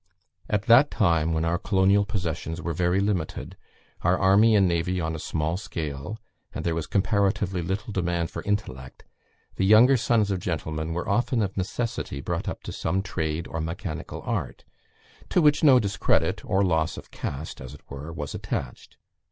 "At that time, when our colonial possessions were very limited, our army and navy on a small scale, and there was comparatively little demand for intellect, the younger sons of gentlemen were often of necessity brought up to some trade or mechanical art, to which no discredit, or loss of caste, as it were, was attached.